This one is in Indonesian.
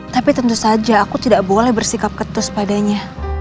tapi tentu saja aku tidak boleh bersikap ketus padanya